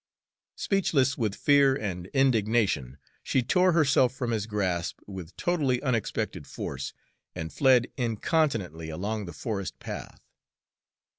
Speechless with fear and indignation, she tore herself from his grasp with totally unexpected force, and fled incontinently along the forest path.